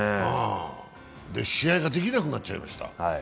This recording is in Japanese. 試合ができなくなっちゃいました。